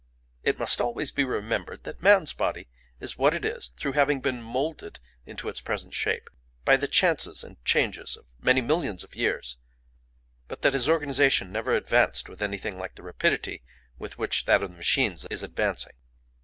It must always be remembered that man's body is what it is through having been moulded into its present shape by the chances and changes of many millions of years, but that his organisation never advanced with anything like the rapidity with which that of the machines is advancing.